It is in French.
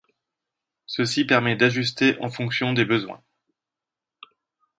Ceci permet d'ajuster en fonction des besoins.